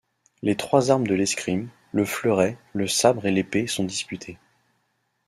Les trois armes de l’escrime, le fleuret, le sabre et l’épée sont disputées.